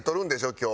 今日。